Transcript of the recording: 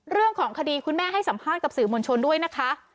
เรื่องของคดีคุณแม่ให้สัมภาษณ์กับสื่อมวลชนด้วยนะคะ